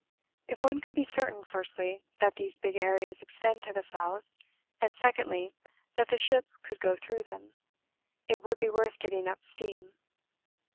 If one could be certain firstly, that these big areas extend to the south, and, secondly, that the ship could go through them, it would be worth getting up steam.